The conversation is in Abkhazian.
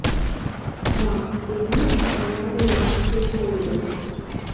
Мап, зегьыҵәҟьа ҭауади-аамысҭеи ҳреиуаӡам.